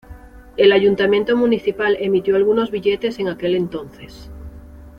El ayuntamiento municipal emitió algunos billetes en aquel entonces.